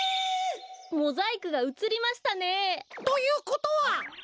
モザイクがうつりましたね。ということは？